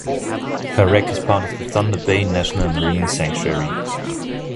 Her wreck is part of the Thunder Bay National Marine Sanctuary.